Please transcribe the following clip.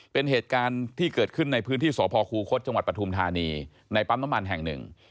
เป็นเหตุการณ์ที่เกิดขึ้นในพื้นที่สพคูคศจังหวัดปฐุมธานีในปั๊มน้ำมันแห่งหนึ่ง